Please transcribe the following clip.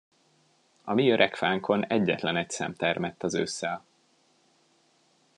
A mi öreg fánkon egyetlenegy szem termett az ősszel.